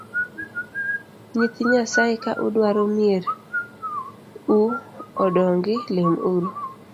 Nyithii nyasae ka udwaro mier u odong’i lem uru